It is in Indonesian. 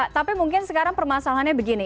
tapi mungkin sekarang permasalahannya begini